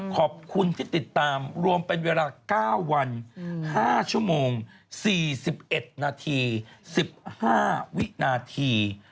ขอบคุณที่ติดตามรวมเป็นเวลา๙วัน๕ชั่วโมง๔๑นาที๑๕วินาที